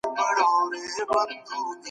مثبت فکر هدف نه دروي.